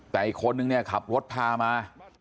แต่อีกคนนึงเนี่ยขับรถพามา